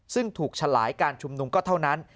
ซึ่งถูกฉลายการชุมนุมก็เท่านั้น